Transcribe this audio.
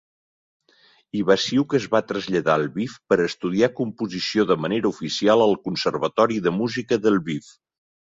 Ivasyuk es va traslladar a Lviv per estudiar composició de manera oficial al Conservatori de música de Lviv.